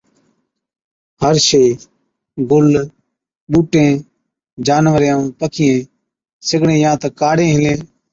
هر شئيءَ، گُل، ٻُوٽين، جانورين ائُون پکِيئَين سِگڙين يان تہ ڪاڙين هِلين،